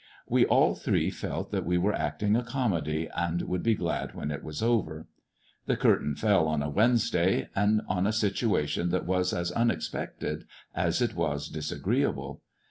We all three felt that we were acting a comedy, and would be glad when I it was over. The curtain fell on a Wednesday, and on a I situation that was as unexpected as it was disagreeable.